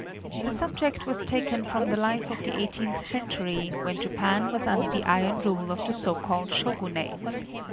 The subject was taken from the life of the eighteenth century when Japan was under the iron rule of the so called Shogunate.